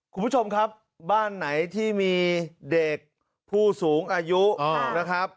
คุณผู้ชมครับบ้านไหนที่มีเด็กผู้สูงอายุนะครับ